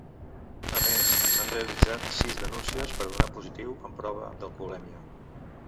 A més, s’han realitzat sis denúncies per donar positiu en prova d’alcoholèmia.